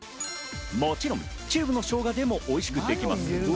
もちろんチューブの生姜でもおいしくできます。